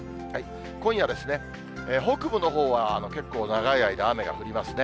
今夜ですね、北部のほうは結構長い間、雨が降りますね。